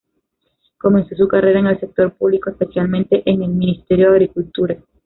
Comenzó su carrera en el sector público, especialmente en el Ministerio de Agricultura.